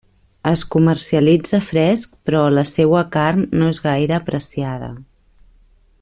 Es comercialitza fresc però la seua carn no és gaire apreciada.